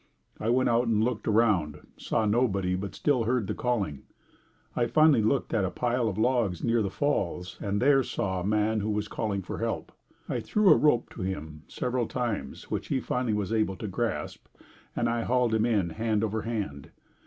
I went out and looked around, saw nobody, but still heard the calling. I finally looked at a pile of logs near the Falls and there saw a man who was calling for help. I threw a rope to him several times which he finally was able to grasp and I hauled him in hand over hand.